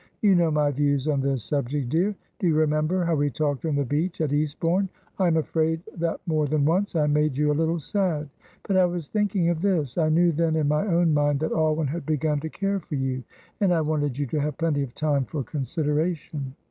You know my views on this subject, dear. Do you remember how we talked on the beach at Eastbourne? I am afraid that more than once I made you a little sad; but I was thinking of this. I knew then in my own mind that Alwyn had begun to care for you, and I wanted you to have plenty of time for consideration."